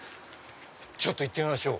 ちょっと行ってみましょう。